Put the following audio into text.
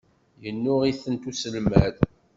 Yennuɣ-itent uselmad.